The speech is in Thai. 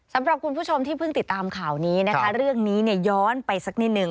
สำหรับคุณผู้ชมที่เพิ่งติดตามข่าวนี้นะคะเรื่องนี้เนี่ยย้อนไปสักนิดนึง